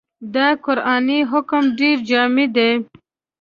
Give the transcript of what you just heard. دا قرآني حکم ډېر جامع دی.